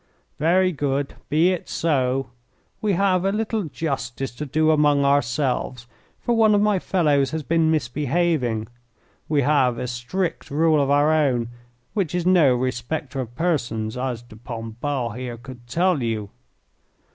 "Very good. Be it so. We have a little justice to do among ourselves, for one of my fellows has been misbehaving. We have a strict rule of our own which is no respecter of persons, as de Pombal here could tell you.